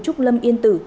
trúc đà lạt